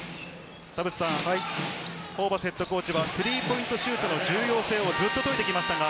ホーバスＨＣはスリーポイントシュートの重要性をずっと説いてきました。